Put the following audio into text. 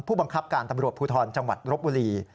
ผู้บังคับการตำรวจภูทรจังหวัดรบบุรี